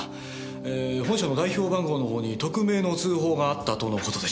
本社の代表番号のほうに匿名の通報があったとの事でした。